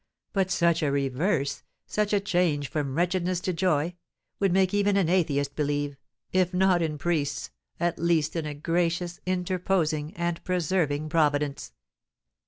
But such a reverse, such a change from wretchedness to joy, would make even an atheist believe, if not in priests, at least in a gracious, interposing, and preserving Providence."